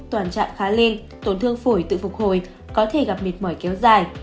toàn trạng khá lên tổn thương phổi tự phục hồi có thể gặp mệt mỏi kéo dài